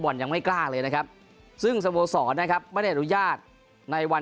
ยังไม่กล้าเลยนะครับซึ่งสโมสรนะครับไม่ได้อนุญาตในวัน